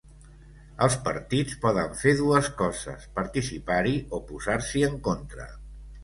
Els partits poden fer dues coses; participar-hi o posar-s’hi en contra.